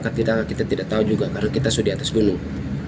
karena kita tidak tahu juga karena kita sudah di atas gunung